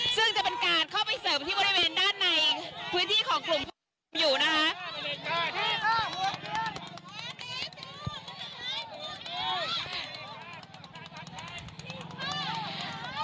ซึ่งจะเป็นการเข้าไปเสริมที่บริเวณด้านในพื้นที่ของกลุ่มผู้ชุมนุมอยู่นะคะ